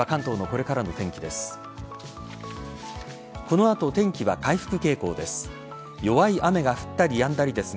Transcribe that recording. この後、天気は回復傾向です。